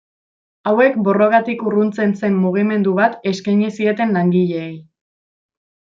Hauek borrokatik urruntzen zen mugimendu bat eskaini zieten langileei.